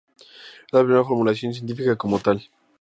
Es la primera formulación científica como tal.